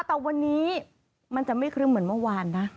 แต่วันนี้มันจะไม่ครึ่มเหมือนเมื่อวานนะ